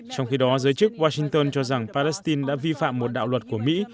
trong khi đó giới chức washington cho rằng palestine đã vi phạm một đạo luật của mỹ